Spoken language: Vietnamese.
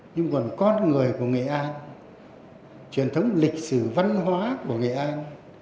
nhưng còn con người của nghệ an truyền thống lịch sử văn hóa của nghệ an